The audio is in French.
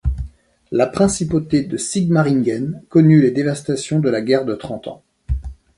La principauté de Sigmaringen connut les dévastations de la Guerre de Trente Ans.